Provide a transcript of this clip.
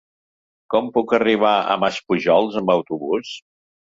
Com puc arribar a Maspujols amb autobús?